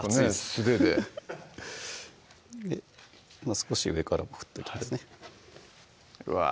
素手でもう少し上からも振っておきますねうわ